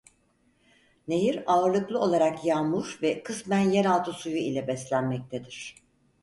Nehir ağırlıklı olarak yağmur ve kısmen yeraltı suyu ile beslenmektedir.